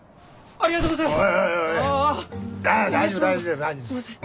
ありがとうございます。